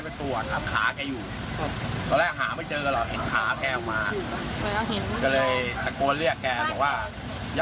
มันถล่มมันป้าอำพันธุ์มันกระดานหนาแล้วก็ชน